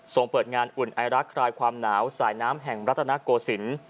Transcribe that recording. เปิดงานอุ่นไอรักคลายความหนาวสายน้ำแห่งรัฐนาโกศิลป์